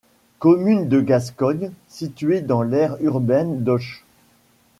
Commune de Gascogne située dans l'aire urbaine d'Auch.